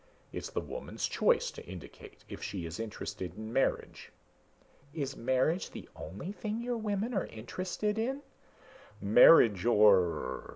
It's the woman's choice to indicate if she is interested in marriage." "Is marriage the only thing your women are interested in?" "Marriage or